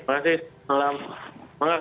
makasih selamat malam